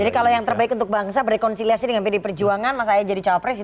jadi kalau yang terbaik untuk bangsa berkonsiliasi dengan pd perjuangan mas haye jadi calon presiden